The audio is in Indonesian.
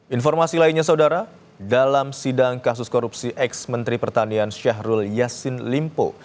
informasi lainnya saudara dalam sidang kasus korupsi ex menteri pertanian syahrul yassin limpo